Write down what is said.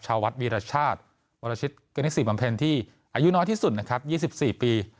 ชาววัดวีรชาติวรชิตกณิสิบำเพ็ญที่อายุน้อยที่สุดนะครับ๒๔ปี